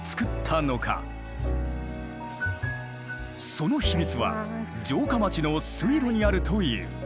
その秘密は城下町の水路にあるという。